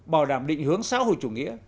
bảo đảm định hướng xã hội chủ nghĩa